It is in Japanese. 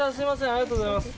ありがとうございます。